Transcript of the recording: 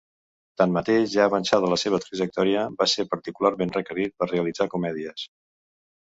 Tanmateix, ja avançada la seva trajectòria, va ser particularment requerit per realitzar comèdies.